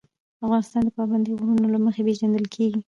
افغانستان د پابندی غرونه له مخې پېژندل کېږي.